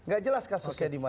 gak jelas kasusnya dimana